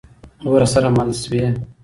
ورسره مل سوي.